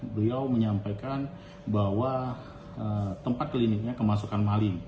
beliau menyampaikan bahwa tempat kliniknya kemasukan maling